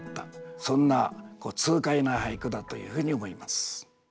そんな痛快な俳句だというふうに思います。